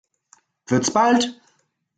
Wird's bald?